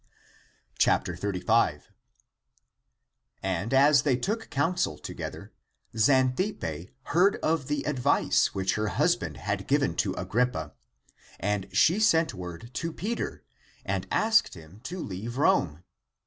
35. (6) And as they took counsel together, Xanthippe heard of the advice which her husband had given to Agrippa, and she sent word to Peter, and asked him to leave Rome.